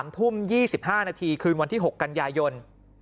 ๓ทุ่ม๒๕นาทีคืนวันที่๖กันยายน